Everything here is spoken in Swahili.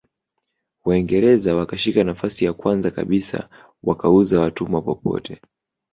Waingereza wakashika nafasi ya kwanza kabisa wakauza watumwa popote